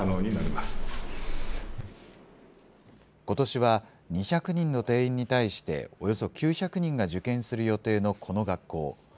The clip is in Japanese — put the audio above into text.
ことしは、２００人の定員に対しておよそ９００人が受験する予定のこの学校。